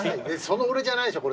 その俺じゃないでしょ